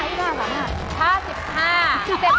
เยี่ยมมาก